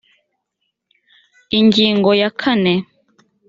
ingingo ya kane